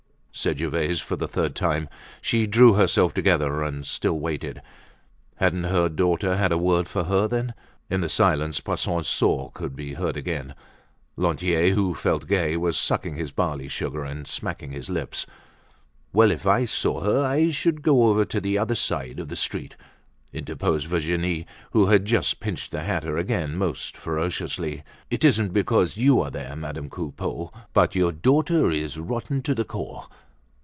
"Ah!" said Gervaise for the third time. She drew herself together, and still waited. Hadn't her daughter had a word for her then? In the silence Poisson's saw could be heard again. Lantier, who felt gay, was sucking his barley sugar, and smacking his lips. "Well, if I saw her, I should go over to the other side of the street," interposed Virginie, who had just pinched the hatter again most ferociously. "It isn't because you are there, Madame Coupeau, but your daughter is rotten to the core.